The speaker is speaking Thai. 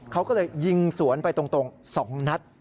เขาก็เลยยิงสวนไปตรง๒นัด